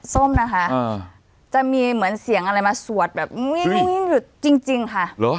ส้มนะคะอ่าจะมีเหมือนเสียงอะไรมาสวดแบบจริงจริงค่ะเหรอ